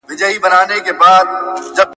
حضوري ټولګي د ټولګي اړيکي پياوړې کوي.